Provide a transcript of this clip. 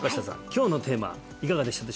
今日のテーマいかがでしたでしょうか？